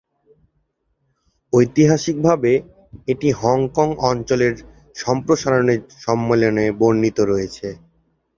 ঐতিহাসিকভাবে, এটি হংকং অঞ্চলের সম্প্রসারণের সম্মেলনে বর্ণিত রয়েছে।